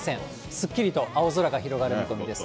すっきりと青空が広がる見込みです。